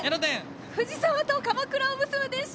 藤沢と鎌倉を結ぶ電車